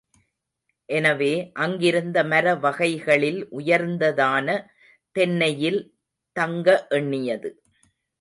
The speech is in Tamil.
எனவே, அங்கிருந்த மர வகைகளில் உயர்ந்ததான தென்னையில் தங்க எண்ணியது.